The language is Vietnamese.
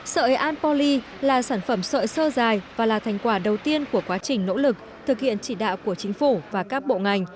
sợi anpoly là sản phẩm sợi sơ dài và là thành quả đầu tiên của quá trình nỗ lực thực hiện chỉ đạo của chính phủ và các bộ ngành